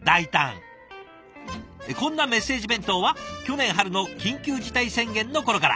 こんなメッセージ弁当は去年春の緊急事態宣言の頃から。